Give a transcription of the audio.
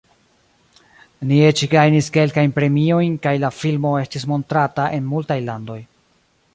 Ni eĉ gajnis kelkajn premiojn, kaj la filmo estis montrata en multaj landoj.